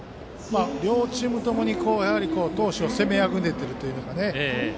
両チームともに投手を攻めあぐねているという。